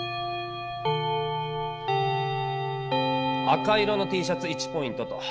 赤色のＴシャツ１ポイントと。